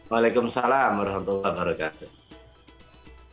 waalaikumsalam warahmatullahi wabarakatuh